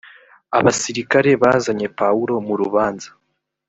abasirikare bazanye pawulo mu rubanza